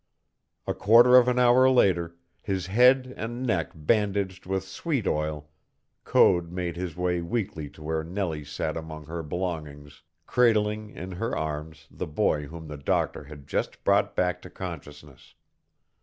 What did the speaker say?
A quarter of an hour later, his head and neck bandaged with sweet oil, Code made his way weakly to where Nellie sat among her belongings cradling in her arms the boy whom the doctor had just brought back to consciousness.